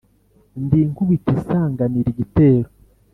ndi inkubito isanganira igitero,